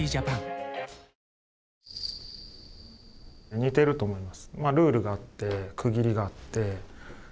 似てると思います。